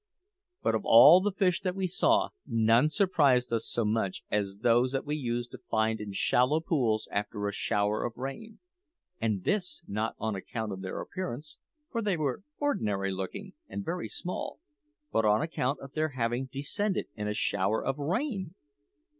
But of all the fish that we saw, none surprised us so much as those that we used to find in shallow pools after a shower of rain; and this not on account of their appearance, for they were ordinary looking and very small, but on account of their having descended in a shower of rain!